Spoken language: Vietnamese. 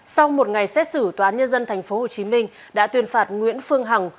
sau một ngày xét xử tòa án nhân dân tp hcm đã tuyên phạt nguyễn phương hằng